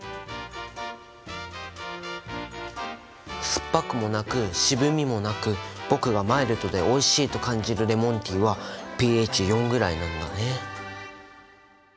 酸っぱくもなく渋みもなく僕がマイルドでおいしいと感じるレモンティーはｐＨ４ぐらいなんだね。